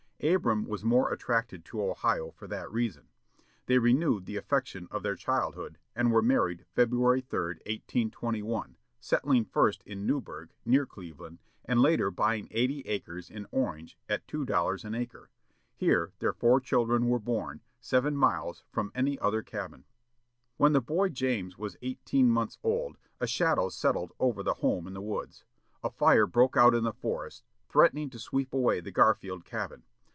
Abram was more attracted to Ohio for that reason. They renewed the affection of their childhood, and were married February 3, 1821, settling first in Newburg, near Cleveland, and later buying eighty acres in Orange, at two dollars an acre. Here their four children were born, seven miles from any other cabin. When the boy James was eighteen months old, a shadow settled over the home in the woods. A fire broke out in the forest, threatening to sweep away the Garfield cabin.